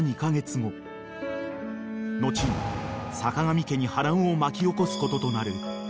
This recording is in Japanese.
［後に坂上家に波乱を巻き起こすこととなる］